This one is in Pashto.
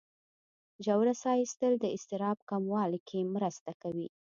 ژوره ساه ایستل د اضطراب کمولو کې مرسته کوي.